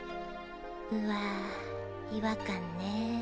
うわ違和感ね。